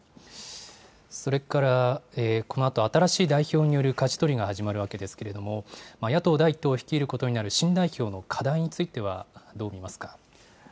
それからこのあと、新しい代表によるかじ取りが始まるわけですけれども、野党第１党を率いることになる新代表の課題についてはどう見ますか。